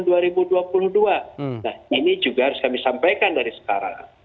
nah ini juga harus kami sampaikan dari sekarang